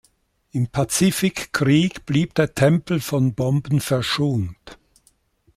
Im Pazifik-Krieg blieb der Tempel von Bomben verschont.